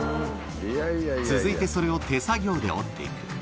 続いて、それを手作業で織っていく。